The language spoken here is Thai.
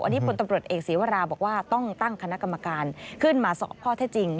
อันนี้พลตำรวจเอกศีวราบอกว่าต้องตั้งคณะกรรมการขึ้นมาสอบข้อเท็จจริง